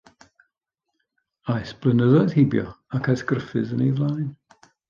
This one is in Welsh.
Aeth blynyddoedd heibio, ac aeth Gruffydd yn ei flaen.